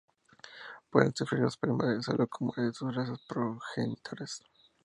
Pueden sufrir los problemas de salud comunes de sus razas progenitoras.